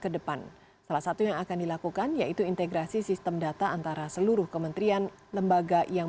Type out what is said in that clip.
kemenko kemaritiman mengatakan jumlah kapal asing ini akan dijadikan acuan